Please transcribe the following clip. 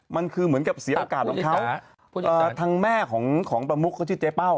มันคือเหมือนกับเสียโอกาสของเขาทางแม่ของประมุกเขาชื่อเจ๊เป้า